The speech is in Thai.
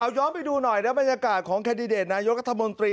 ย้อนไปดูหน่อยนะบรรยากาศของแคนดิเดตนายกรัฐมนตรี